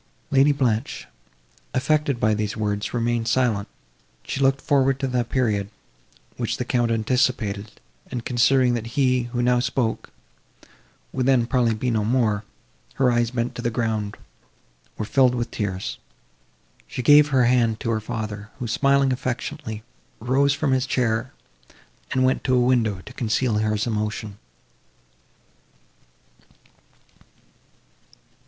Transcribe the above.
Lady Blanche, affected by these words, remained silent; she looked forward to the period, which the Count anticipated, and considering, that he, who now spoke, would then probably be no more, her eyes, bent to the ground, were filed with tears. She gave her hand to her father, who, smiling affectionately, rose from his chair, and went to a window to conceal his emotion.